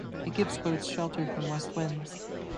It gives boats shelter from west winds.